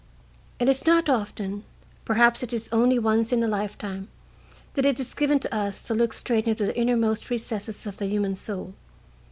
It is not often, perhaps it is only once in a lifetime, that it is given us to look straight into the innermost recesses of the human soul.